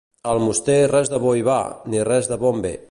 A Almoster res de bo hi va, ni res de bo en ve.